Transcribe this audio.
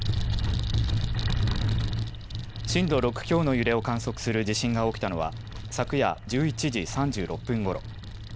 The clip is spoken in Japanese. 震度６強の揺れを観測する地震が起きたのは昨夜１１時３６分ごろ。